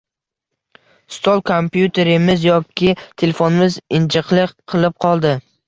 Stol kompyuterimiz yoki telefonimiz “injiqlik” qilib qoldi.